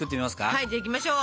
はいじゃあいきましょう。